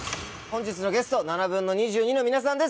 本日のゲスト２２／７の皆さんです